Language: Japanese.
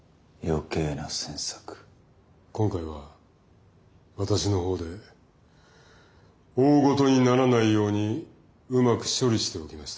今回は私の方で大ごとにならないようにうまく処理しておきました。